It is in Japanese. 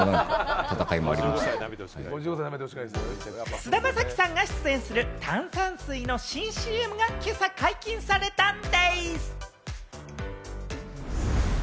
菅田将暉さんが出演する炭酸水の新ＣＭが今朝、解禁されたんでぃす！